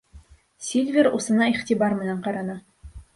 Сильвер усына иғтибар менән ҡараны.